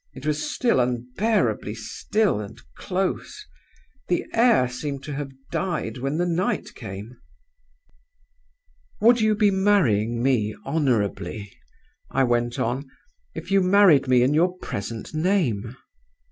It was unbearably still and close; the air seemed to have died when the night came. "'Would you be marrying me honorably,' I went on, 'if you married me in your present name?